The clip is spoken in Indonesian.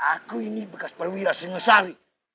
aku ini bekas perwira singosari